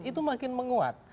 itu makin menguat